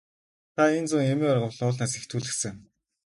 Та энэ зун эмийн ургамал уулнаас их түүлгэсэн.